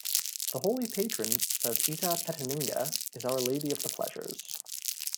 The holy patron of Itapetininga is Our Lady of the Pleasures.